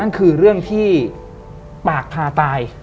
นั่นคือเรื่องที่ปากพาตาย